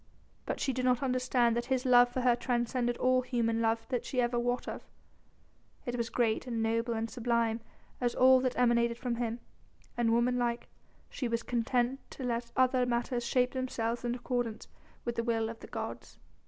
But she did not understand that his love for her transcended all human love she ever wot of; it was great and noble and sublime as all that emanated from him, and, womanlike, she was content to let other matters shape themselves in accordance with the will of the gods.